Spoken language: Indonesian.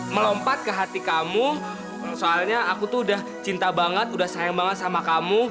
melompat ke hati kamu soalnya aku tuh udah cinta banget udah sayang banget sama kamu